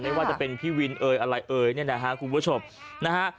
ไม่ว่าจะเป็นพี่วินเอ่ยอะไรเอ๋ยเนี่ยนะฮะคุณผู้ชมนะฮะ